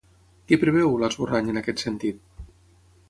Què preveu, l’esborrany, en aquest sentit?